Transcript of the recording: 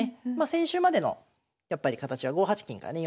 先週までのやっぱり形は５八金かね